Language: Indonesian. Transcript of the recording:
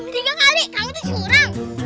tiga hari kamu tuh curang